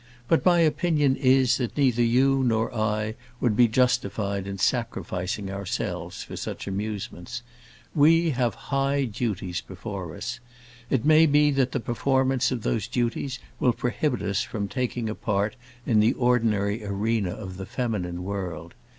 But my opinion is, that neither I nor you would be justified in sacrificing ourselves for such amusements. We have high duties before us. It may be that the performance of those duties will prohibit us from taking a part in the ordinary arena of the feminine world.